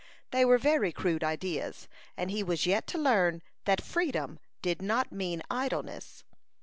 They were very crude ideas, and he was yet to learn that freedom did not mean idleness.